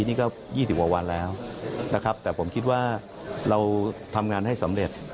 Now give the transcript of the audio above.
นี่ก็๒๐กว่าวันแล้วนะครับแต่ผมคิดว่าเราทำงานให้สำเร็จ